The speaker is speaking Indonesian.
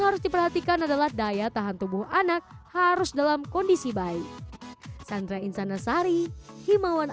harus diperhatikan adalah daya tahan tubuh anak harus dalam kondisi baik sandra insanasari himawan